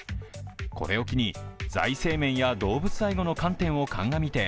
これを機に財政面や動物愛護の観点を鑑みて